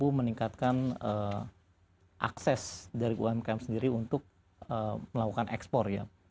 mampu meningkatkan akses dari umkm sendiri untuk melakukan ekspor ya